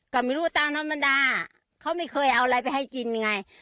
ก็ไม่รู้ตามธรรมดาเขาไม่เคยเอาอะไรไปให้กินไง